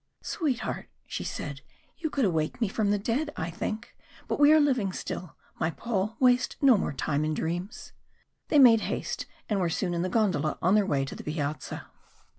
"Sweetheart," she said, "you could awake me from the dead, I think. But we are living still, my Paul waste we no more time, in dreams." They made haste, and were soon in the gondola on their way to the Piazza.